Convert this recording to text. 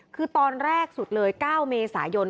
คือตอนแรกสุดเลย๙เมษายน